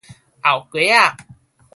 後街仔